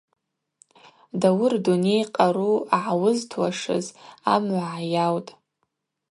Дауыр дуней къару гӏауызтуашыз амгӏва гӏайаутӏ.